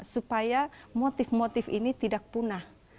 supaya motif motif ini tidak punah